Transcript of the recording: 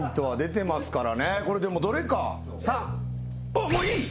おっもういい？